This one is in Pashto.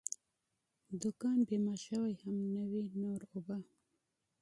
دوکان بیمه شوی هم نه وي، نور اوبه.